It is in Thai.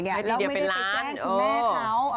แล้วไม่ได้ไปแจ้งคุณแม่เขา